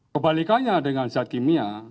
kebalikannya dengan zat kimia